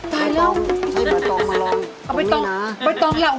ใส่ใบตองมาลอง